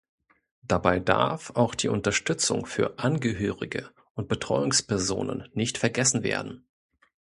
Dabei darf auch die Unterstützung für Angehörige und Betreuungspersonen nicht vergessen werden.